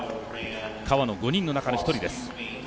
川野、５人の中の一人です。